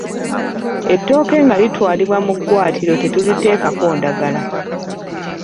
Ettooke nga litwalibwa mu ggwaatiro tetuliteekako ndagala.